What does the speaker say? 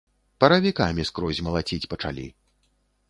Паравікамі скрозь малаціць пачалі.